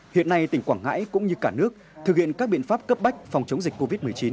hiện nay tỉnh quảng ngãi cũng như cả nước thực hiện các biện pháp cấp bách phòng chống dịch covid một mươi chín